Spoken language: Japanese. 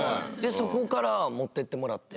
そこから持ってってもらって。